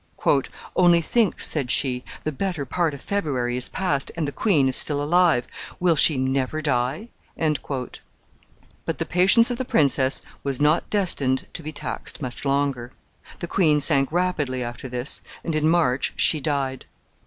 "Only think," said she, "the better part of February is past, and the queen is still alive. Will she never die?" But the patience of the princess was not destined to be taxed much longer. The queen sank rapidly after this, and in March she died.